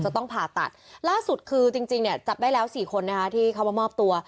ต้องผ่าตัดล่าสุดคือจริงเนี่ยจับได้แล้ว๔คนนะคะที่เขามามอบตัว